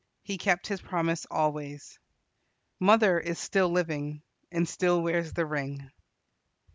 He kept his promise always. Mother is still living, and still wears the ring.